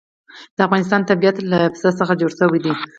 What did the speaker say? د افغانستان طبیعت له پسه څخه جوړ شوی دی.